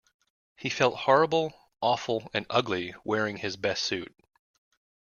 He felt horrible, awful, and ugly wearing his best suit.